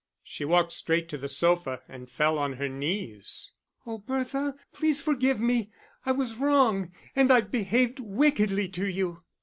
She walked straight to the sofa, and fell on her knees. "Oh, Bertha, please forgive me. I was wrong, and I've behaved wickedly to you."